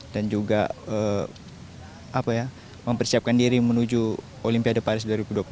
dan juga mempersiapkan diri menuju olimpiade paris dua ribu dua puluh empat